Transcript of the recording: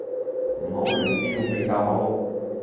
唔好亂標比較好